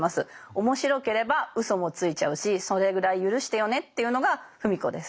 面白ければうそもついちゃうしそれぐらい許してよねというのが芙美子です。